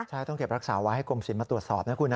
ใช่ต้องเก็บรักษาไว้ให้กรมศิลปตรวจสอบนะคุณนะ